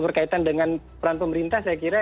berkaitan dengan peran pemerintah saya kira